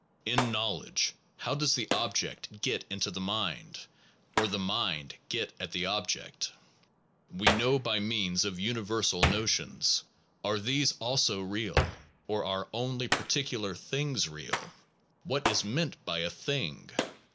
In knowledge, how does the object get into the mind? or the mind get at the object? We know by means of universal notions. Are these also real? Or are only particular things real? What is meant by a thing